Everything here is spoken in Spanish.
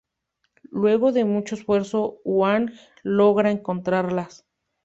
Luego de mucho esfuerzo, Huang logra encontrarlas.